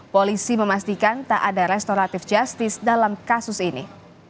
polisi memastikan tak ada restoratif justice dalam kasus ini